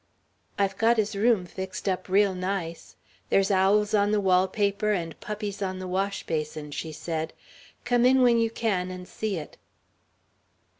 "I've got his room fixed up real nice. There's owls on the wall paper and puppies on the washbasin," she said. "Come in when you can and see it."